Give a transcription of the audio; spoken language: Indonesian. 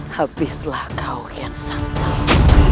habislah kau kian santang